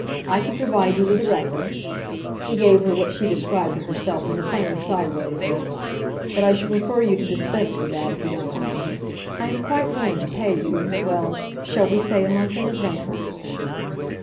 I could provide you with a reference—" (he gave her what she described to herself as a funny, sideways look), "but I should prefer you to dispense with that, if you don't mind. I am quite willing to pay you—well, shall we say a month in advance?"